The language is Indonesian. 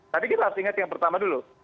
tapi kita harus ingat yang pertama dulu